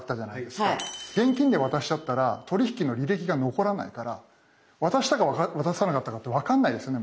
現金で渡しちゃったら取り引きの履歴が残らないから渡したか渡さなかったかって分かんないですよね